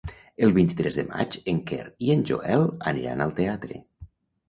El vint-i-tres de maig en Quer i en Joel aniran al teatre.